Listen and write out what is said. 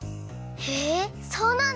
へえそうなんだ！